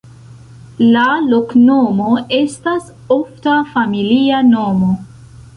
La loknomo estas ofta familia nomo.